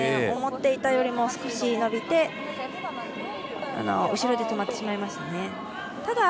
思っていたよりも少し伸びて後ろで止まってしまいました。